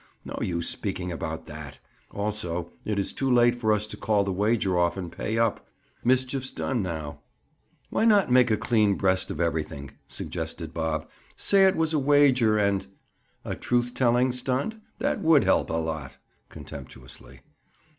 "No use speaking about that. Also, it is too late for us to call the wager off and pay up. Mischief's done now." "Why not make a clean breast of everything?" suggested Bob. "Say it was a wager, and—" "A truth telling stunt? That would help a lot." Contemptuously.